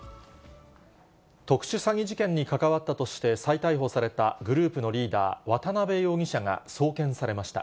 特殊詐欺事件に関わったとして再逮捕されたグループのリーダー、渡辺容疑者が送検されました。